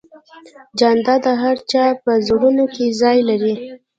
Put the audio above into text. جانداد د هر چا په زړونو کې ځای لري.